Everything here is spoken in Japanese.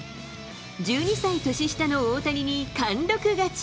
１２歳年下の大谷に貫録勝ち。